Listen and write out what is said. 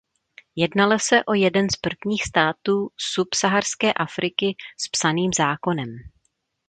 Jednalo se o jeden z prvních států subsaharské Afriky s psaným zákonem.